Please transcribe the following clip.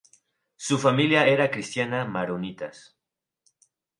Su familia era cristiana maronitas.